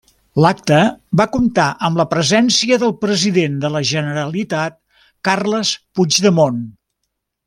L'acte va comptar amb la presència del president de la Generalitat, Carles Puigdemont.